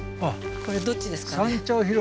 これどっちですかね。